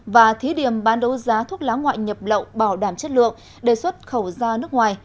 và thí điểm bán đấu giá thuốc lá ngoại nhập lậu bảo đảm chất lượng đề xuất khẩu ra nước ngoài